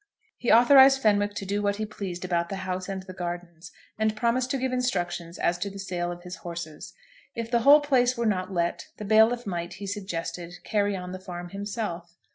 He authorised Fenwick to do what he pleased about the house and the gardens, and promised to give instructions as to the sale of his horses. If the whole place were not let, the bailiff might, he suggested, carry on the farm himself.